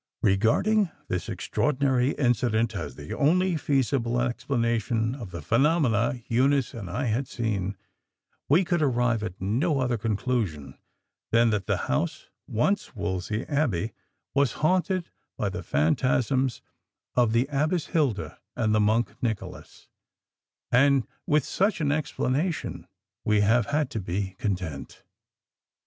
Regarding this extraordinary incident, as the only feasible explanation of the phenomena Eunice and I had seen, we could arrive at no other conclusion than that the house (once Wolsey Abbey) was haunted by the phantasms of the Abbess Hilda and the Monk Nicholas; and with such an explanation we have had to be content.